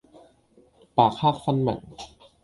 白黑分明